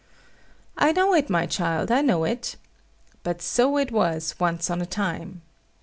I know it, my child, I know it. But so it was once on a time.